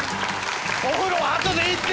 お風呂はあとでいいって！